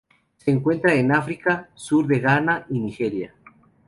Se encuentran en África: sur de Ghana y Nigeria.